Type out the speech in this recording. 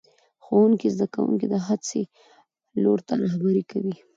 ښوونکی زده کوونکي د هڅې لور ته رهبري کوي